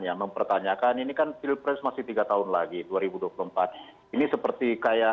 yang mempertanyakan ini kan pilpres masih tiga tahun lagi dua ribu dua puluh empat